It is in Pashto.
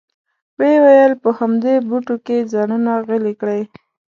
وې ویل په همدې بوټو کې ځانونه غلي کړئ.